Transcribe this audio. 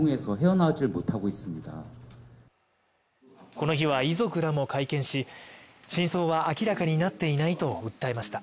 この日は遺族らも会見し真相は明らかになっていないと訴えました